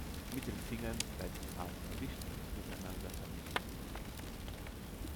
Mit dem Finger werden die Farben verwischt und miteinander vermischt.